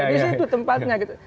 di situ tempatnya gitu